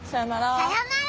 さようなら。